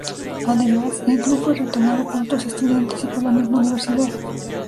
Además, el club fue retomado por otros estudiantes y por la misma Universidad.